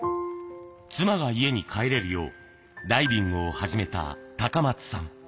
妻が家に帰れるようダイビングを始めた高松さん。